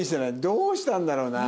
どうしたんだろうな？